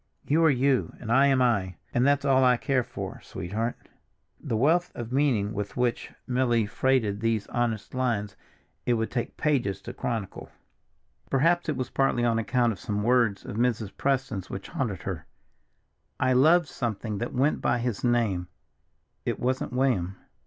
You are you, and I am I, and that's all I care for, sweetheart." The wealth of meaning with which Milly freighted these honest lines it would take pages to chronicle; perhaps it was partly on account of some words of Mrs. Preston's which haunted her: "I loved something that went by his name—it wasn't William."